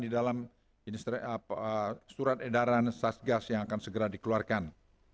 di dalam surat edaran satgas yang akan segera dikeluarkan